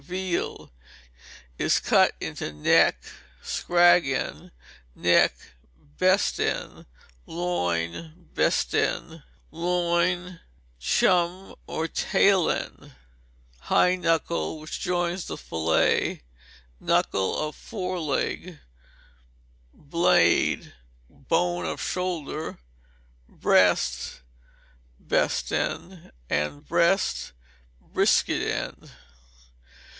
Veal is cut into neck (scrag end); neck (best end); loin (best end); loin (chump, or tail end); fillet (upper part of hind leg); hind knuckle, which joins the fillet; knuckle of fore leg; blade (bone of shoulder); breast (best end); and breast (brisket end).